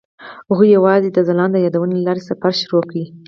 هغوی یوځای د ځلانده یادونه له لارې سفر پیل کړ.